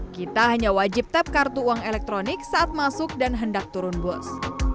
kita hanya wajib tap kartu uang elektronik saat masuk dan hendak turun bus